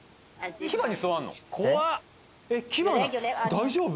大丈夫？